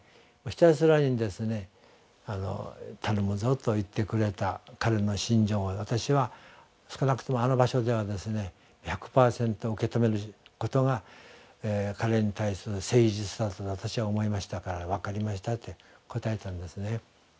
ひたすらに「頼むぞ」と言ってくれた彼の心情を私は少なくともあの場所では１００％受け止めることが彼に対する誠実さだと私は思いましたから「分かりました」って答えたんですね。